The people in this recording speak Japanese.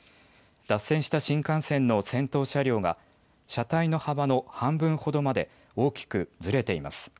脱線した新幹線の先頭車両が車体の幅の半分ほどまで大きくずれています。